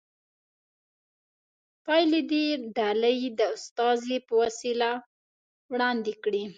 پایلې دې ډلې د استازي په وسیله وړاندې کړي.